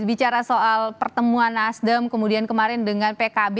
bicara soal pertemuan nasdem kemudian kemarin dengan pkb